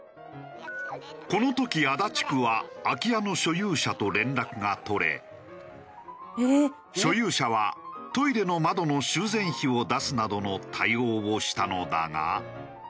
この時足立区は空き家の所有者と連絡が取れ所有者はトイレの窓の修繕費を出すなどの対応をしたのだが。